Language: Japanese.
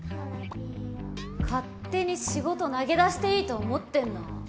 勝手に仕事投げ出していいと思ってんの？